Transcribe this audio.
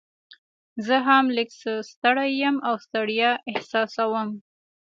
زه هم لږ څه ستړی یم او ستړیا احساسوم.